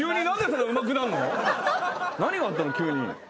何があったの急に。